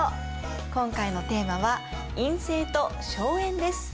今回のテーマは「院政と荘園」です。